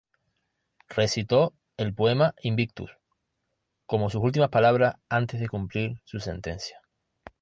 Recitó el poema "Invictus" como sus últimas palabras antes de cumplir su sentencia.